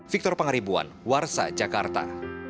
victor pangaribuan warsa jakarta